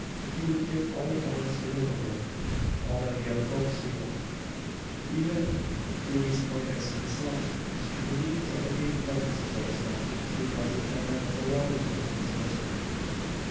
He would give all he owns in the world all that he ever hopes to own even Louise Poindexter herself to be relieved of the hated presence of Zeb Stump to be left for ten minutes alone with the Headless Horseman!